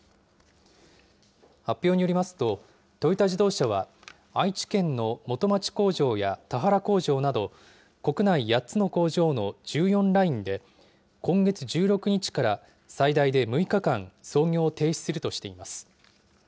発表によりますと、トヨタ自動車は、愛知県の元町工場や田原工場など、国内８つの工場の１４ラインで、今月１６日から最大で６日間、操業を停止するとしています。